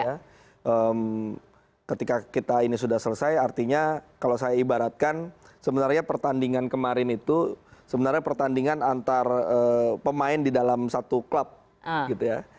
karena ketika kita ini sudah selesai artinya kalau saya ibaratkan sebenarnya pertandingan kemarin itu sebenarnya pertandingan antar pemain di dalam satu klub gitu ya